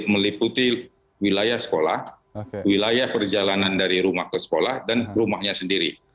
meliputi wilayah sekolah wilayah perjalanan dari rumah ke sekolah dan rumahnya sendiri